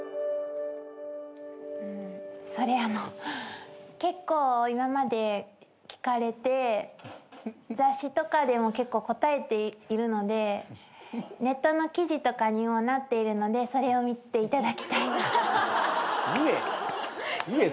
それあの結構今まで聞かれて雑誌とかでも結構答えているのでネットの記事とかにもなっているのでそれを見ていただきたいなと思います。